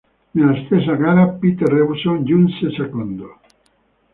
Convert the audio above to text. Nella stessa gara Peter Revson giunse secondo.